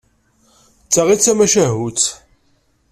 D ta i d tamacahut.